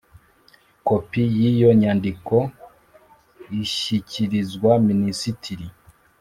kopi y’iyo nyandiko ishyikirizwa minisitiri